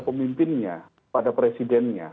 pemimpinnya kepada presidennya